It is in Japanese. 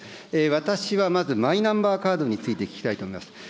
私はまず、マイナンバーカードについて聞きたいと思います。